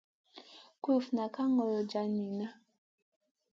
Kulufna ka golon jar niyna.